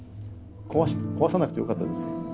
壊さなくてよかったですよね。